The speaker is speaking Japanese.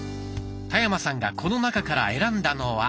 田山さんがこの中から選んだのは